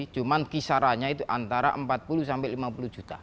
cuma kisarannya itu antara rp empat puluh sampai rp lima puluh